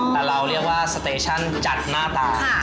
แต่เราเรียกว่าสเตชั่นผู้จัดหน้าตา